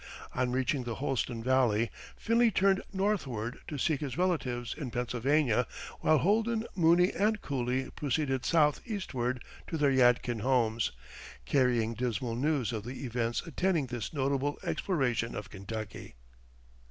On reaching the Holston Valley, Finley turned northward to seek his relatives in Pennsylvania; while Holden, Mooney, and Cooley proceeded southeastward to their Yadkin homes, carrying dismal news of the events attending this notable exploration of Kentucky.